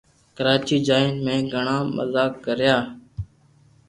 ڪراچي جائين مي گِھڙا مزا ڪريا